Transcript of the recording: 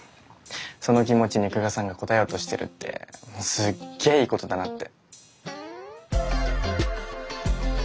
その気持ちに久我さんが応えようとしてるってすっげえいいことだなって。